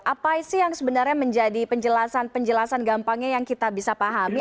apa sih yang sebenarnya menjadi penjelasan penjelasan gampangnya yang kita bisa pahami